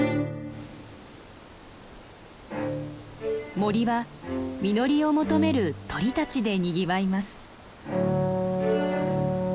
森は実りを求める鳥たちでにぎわいます。